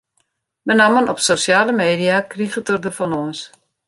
Benammen op sosjale media kriget er der fan lâns.